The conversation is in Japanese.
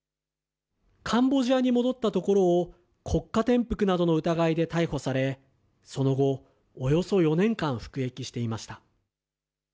カンボジアに戻ったところを国家転覆などの疑いで逮捕され、その後、およそ４年間服役していました。